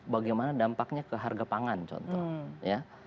bagaimana dampaknya ke harga pangan contoh ya